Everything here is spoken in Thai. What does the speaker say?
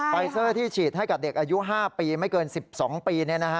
ไฟเซอร์ที่ฉีดให้กับเด็กอายุ๕ปีไม่เกิน๑๒ปี